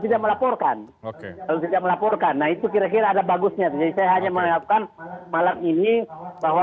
tidak melaporkan oke oke laporkan dan itu kira kira ada bagusnya tuh hanya menerapkan malam nih bahwa